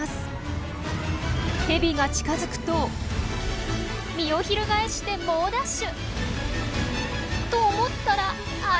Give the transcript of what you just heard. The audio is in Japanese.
ヘビが近づくと身を翻して猛ダッシュ！と思ったらあれ？